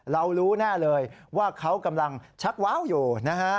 รู้แน่เลยว่าเขากำลังชักว้าวอยู่นะฮะ